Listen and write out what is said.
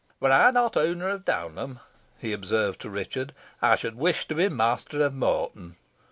"Were I not owner of Downham," he observed to Richard, "I should wish to be master of Morton."